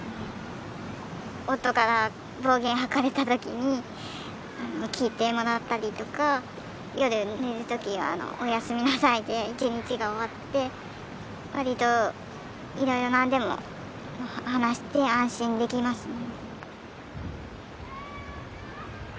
夫から暴言吐かれた時に聞いてもらったりとか夜寝る時は「おやすみなさい」で１日が終わってわりといろいろ何でも話して安心できますね。